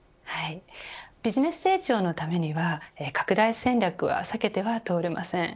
ビジネス成長のためには拡大戦略は避けては通れません。